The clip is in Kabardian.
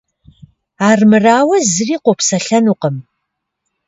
Армырауэ, зыри къопсэлъэнукъым.